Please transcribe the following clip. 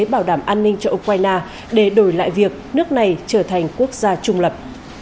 bảo đảm an ninh cho ukraine để đổi lại việc nước này trở thành quốc gia trung lập